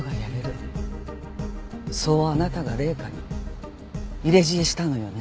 そうあなたが麗華に入れ知恵したのよね？